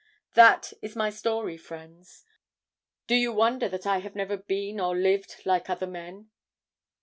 "That is my story, friends. Do you wonder that I have never been or lived like other men?"